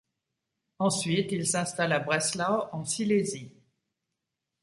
Ensuite, il s'installe à Breslau en Silésie.